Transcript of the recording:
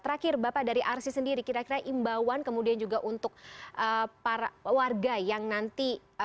terakhir bapak dari arsi sendiri kira kira imbauan kemudian juga untuk warga yang nanti